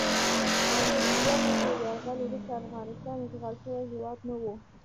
د انګریزانو تر یرغل وروسته افغانستان اشغال شوی هیواد نه و.